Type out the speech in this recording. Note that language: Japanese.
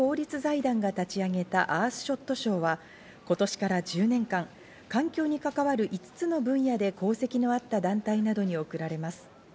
ウィリアム王子とイギリス王位財団が立ち上げたアースショット賞は今年から１０年間、環境に関わる５つの分野で功績のあった団体などに贈られます。